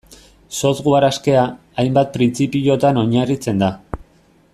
Software askea, hainbat printzipiotan oinarritzen da.